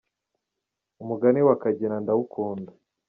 Umugani wa Kagina ndawukunda.